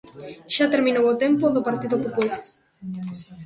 Xa terminou o tempo do Partido Popular.